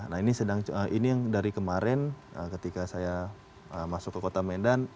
nah ini sedang ini yang dari kemarin ketika saya masuk ke kota medan